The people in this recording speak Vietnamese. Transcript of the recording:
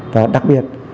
và đặc biệt